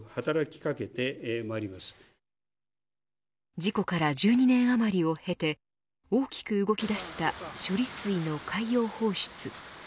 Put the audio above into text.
事故から１２年余りを経て大きく動き出した処理水の海洋放出。